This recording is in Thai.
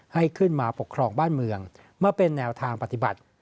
ให้ขึ้นมาปกครองบ้านเมืองมาเป็นแนวทางปฏิบัติ